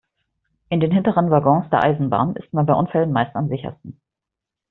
In den hinteren Waggons der Eisenbahn ist man bei Unfällen meist am sichersten.